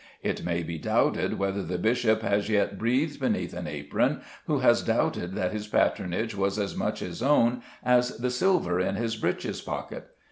It may be doubted whether the bishop has yet breathed beneath an apron who has doubted that his patronage was as much his own as the silver in his breeches pocket.